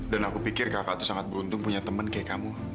dan aku pikir kakak tuh sangat beruntung punya temen kayak kamu